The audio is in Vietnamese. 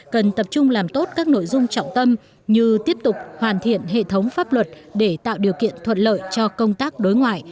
cần tập trung làm tốt các nội dung trọng tâm như tiếp tục hoàn thiện hệ thống pháp luật để tạo điều kiện thuận lợi cho công tác đối ngoại